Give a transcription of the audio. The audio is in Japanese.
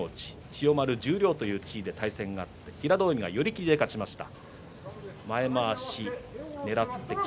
千代丸十両という対戦があって平戸海が寄り切りで勝ちました。